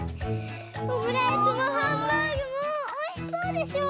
オムライスもハンバーグもおいしそうでしょ？